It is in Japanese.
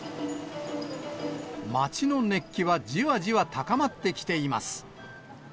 街の熱気はじわじわ高まってきています。